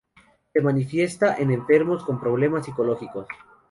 Se manifiesta en enfermos con problemas psicológicos.